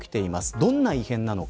どんな異変なのか。